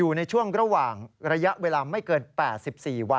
และอาจจะมีบางรายเข้าขายช่อกงประชาชนเพิ่มมาด้วย